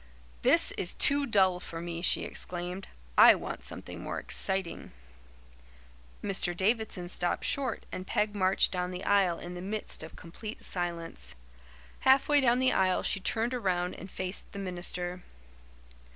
"This is too dull for me," she exclaimed. "I want something more exciting." Mr. Davidson stopped short and Peg marched down the aisle in the midst of complete silence. Half way down the aisle she turned around and faced the minister.